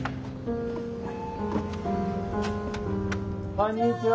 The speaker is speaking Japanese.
こんにちは。